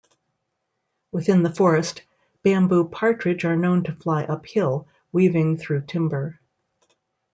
Within the forest, bamboo partridge are known to fly uphill, weaving through timber.